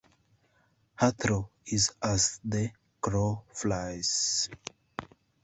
Heathrow is as the crow flies.